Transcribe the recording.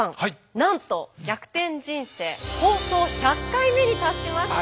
なんと「逆転人生」放送１００回目に達しました。